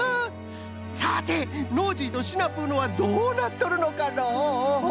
さてノージーとシナプーのはどうなっとるのかのう？